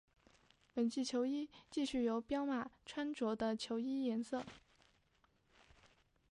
本季球衣继续由彪马穿着的球衣颜色。